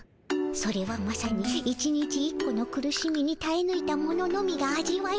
それはまさに１日１個の苦しみにたえぬいた者のみが味わえるプクプクの時。